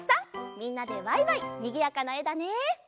みんなでワイワイにぎやかなえだね。